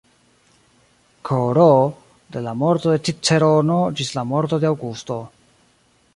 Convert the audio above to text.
Kr., de la morto de Cicerono ĝis la morto de Aŭgusto.